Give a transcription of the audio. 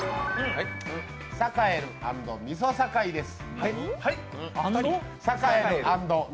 サカエル＆みそさかいです。